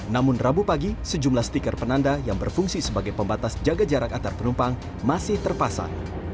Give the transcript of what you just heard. namun rabu pagi sejumlah stiker penanda yang berfungsi sebagai pembatas jaga jarak antar penumpang masih terpasang